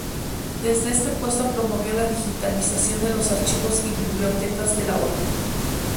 Desde este puesto promovió la digitalización de los archivos y bibliotecas de la orden.